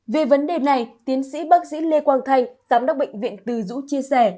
về vấn đề này tiến sĩ bác sĩ lê quang thanh giám đốc bệnh viện từ dũ chia sẻ